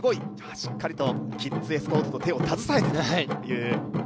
しっかりとキッズエスコートと手を携えてですね。